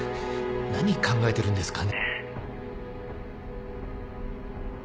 何考えてるんですかね？